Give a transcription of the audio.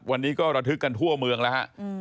วันนี้ก็ระทึกกันทั่วเมืองแล้วฮะ